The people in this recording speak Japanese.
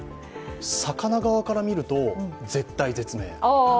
魚側から見ると、絶体絶命。